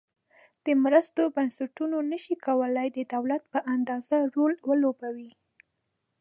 د مرستو بنسټونه نشي کولای د دولت په اندازه رول ولوبوي.